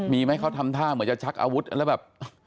มีไหมเขาทำท่าเหมือนจะชักอาวุธแล้วแบบ